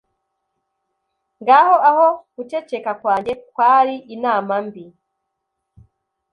Ngaho aho guceceka kwanjye kwari inama mbi